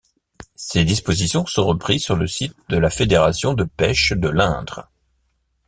Ces dispositions sont reprises sur le site de la fédération de pêche de l'Indre.